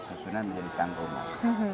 susunan menjadi tanggungan